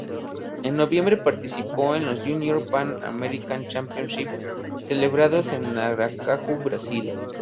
En noviembre participó en los "Junior Pan American Championships" celebrados en Aracaju, Brasil.